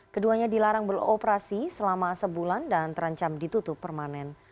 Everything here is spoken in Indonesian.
keduanya dilarang beroperasi selama sebulan dan terancam ditutup permanen